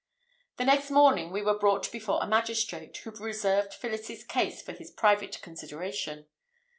"The next morning we were brought before a magistrate, who reserved Phillis's case for his private consideration.